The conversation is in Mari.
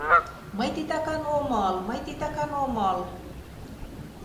— Мый титакан омыл, мый титакан омыл...